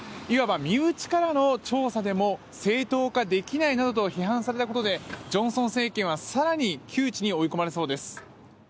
いわば身内からの調査でも正当化できないなどと批判されたことでジョンソン政権は更に窮地に追い込まれそうです。